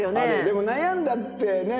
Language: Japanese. でも悩んだってね。